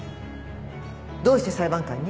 どうして裁判官に？